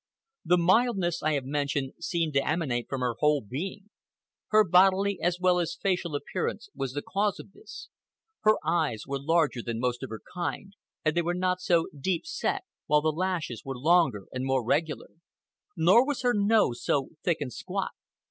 The mildness I have mentioned seemed to emanate from her whole being. Her bodily as well as facial appearance was the cause of this. Her eyes were larger than most of her kind, and they were not so deep set, while the lashes were longer and more regular. Nor was her nose so thick and squat.